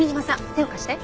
手を貸して。